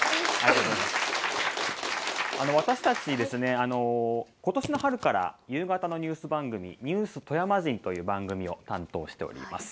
私たち今年の春から夕方のニュース番組「ニュース富山人」という番組を担当しております。